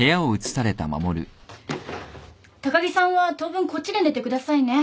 高木さんは当分こっちで寝てくださいね。